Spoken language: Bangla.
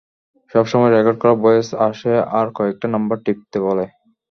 সবসময় রেকর্ড করা ভয়েস আসে আর কয়েকটা নাম্বার টিপতে বলে।